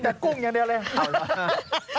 เอาล่ะ